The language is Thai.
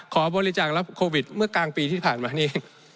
ขอบริจาครับโควิดเมื่อกลางปีที่ผ่านมานี้